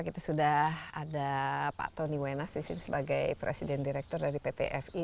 kita sudah ada pak tony wenas di sini sebagai presiden direktur dari pt fi